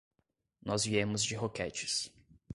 Nós viemos de Roquetes.